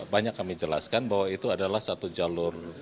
banyak kami jelaskan bahwa itu adalah satu jalur